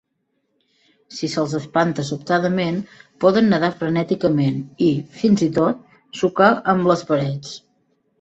Si se'ls espanta sobtadament, poden nadar frenèticament i, fins i tot, xocar amb les parets.